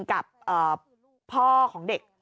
กับพ่อของเด็ก